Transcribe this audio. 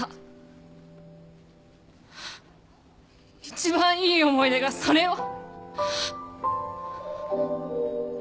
一番いい思い出がそれよ。